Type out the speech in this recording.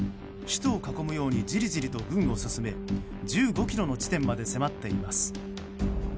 首都を囲むようにじりじりと軍を進め１５ｋｍの地点まで迫っています。